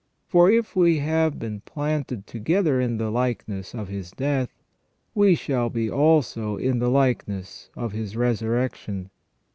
For if we have been planted together in the likeness of His death, we shall be also in the likeness of His resurrection.